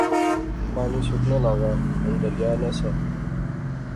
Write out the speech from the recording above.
پانی سکنے لاغا، ہن دریا نہسا